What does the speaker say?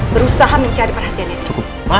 berusaha mencari perhatiannya